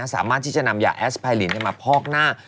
สามารถที่จะนำยาแอสไพรินมาพอกหน้า